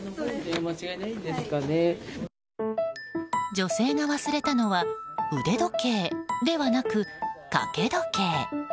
女性が忘れたのは腕時計ではなく、掛け時計。